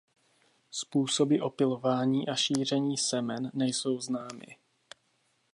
Způsoby opylování a šíření semen nejsou známy.